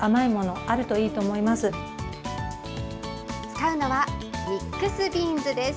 使うのは、ミックスビーンズです。